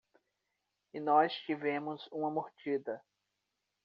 E nós tivemos uma mordida.